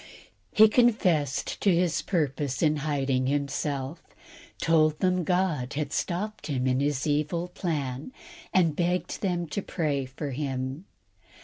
He confessed to his purpose in hiding himself, told them God had stopped him in his evil plan, and begged them to pray for him.